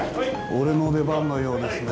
俺の出番のようですね。